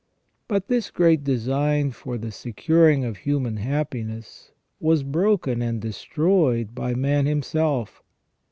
But this great design for the securing of human happiness was broken and destroyed by man himself.